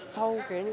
sau cái những